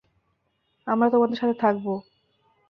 আমরা তোমাদের সাথে থাকবো।